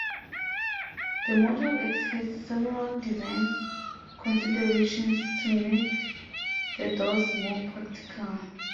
The Model X has several design considerations to make the doors more practical.